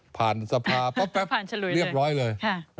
ผ่านสภาพร้อมเรียบร้อยเลย